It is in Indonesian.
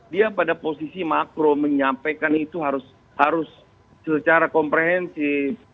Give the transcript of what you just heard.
dia pada posisi makro menyampaikan itu harus secara komprehensif